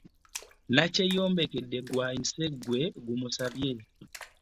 Nnakyeyombekedde gwayiisa gwe gumusambya .